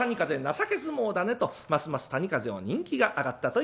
情け相撲だね」とますます谷風の人気が上がったといわれております。